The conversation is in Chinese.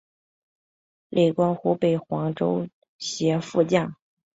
累官湖北黄州协副将。